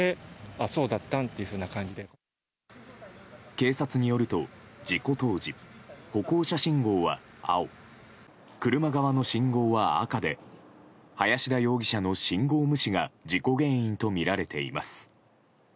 警察によると事故当時歩行者信号は青車側の信号は赤で林田容疑者の信号無視が事故原因とみられています。